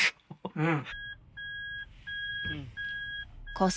うん？